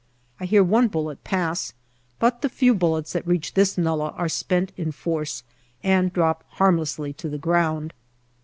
I hear one bullet pass, but the few bullets that reach this nullah are spent in force and drop harmlessly to the ground.